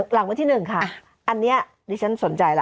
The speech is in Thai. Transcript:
หลังวันที่๑ค่ะอันนี้ดิฉันสนใจล่ะ